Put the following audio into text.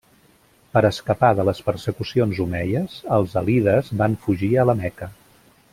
Per escapar de les persecucions omeies, els alides van fugir a la Meca.